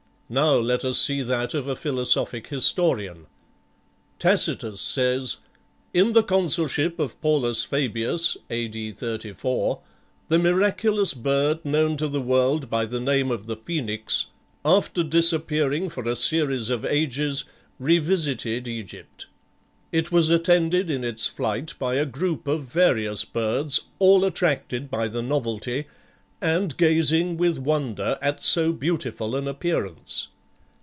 Now let us see that of a philosophic historian. Tacitus says, "In the consulship of Paulus Fabius (A.D. 34) the miraculous bird known to the world by the name of the Phoenix, after disappearing for a series of ages, revisited Egypt. It was attended in its flight by a group of various birds, all attracted by the novelty, and gazing with wonder at so beautiful an appearance."